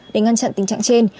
để ngăn chặn tình trạng trên